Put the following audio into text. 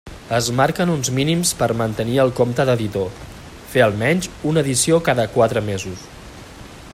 Es marquen uns mínims per mantenir el compte d'editor: fer almenys una edició cada quatre mesos.